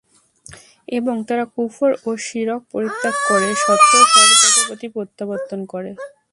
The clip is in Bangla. এবং তারা কুফর ও শিরক পরিত্যাগ করে সত্য ও সরল পথের প্রতি প্রত্যাবর্তন করে।